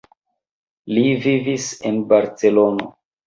Li vivis en Barcelono.